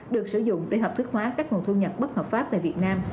được sử dụng để hợp thức hóa các nguồn thu nhập bất hợp pháp tại việt nam